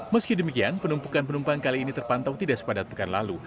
meski demikian penumpukan penumpang kali ini terpantau tidak sepadat pekan lalu